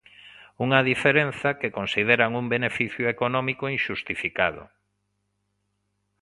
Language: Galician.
Unha diferenza que consideran un beneficio económico inxustificado.